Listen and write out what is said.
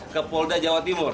ke polda jawa timur